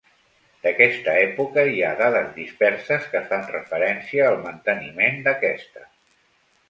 D'aquesta època hi ha dades disperses que fan referència al manteniment d'aquesta.